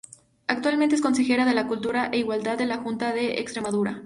Actualmente es Consejera de Cultura e Igualdad de la Junta de Extremadura.